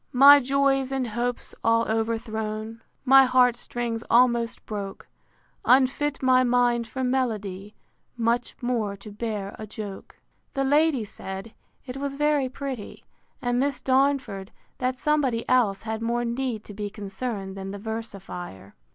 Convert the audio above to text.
II. My joys and hopes all overthrown, My heart strings almost broke, Unfit my mind for melody, Much more to bear a joke. The ladies said, It was very pretty; and Miss Darnford, That somebody else had more need to be concerned than the versifier.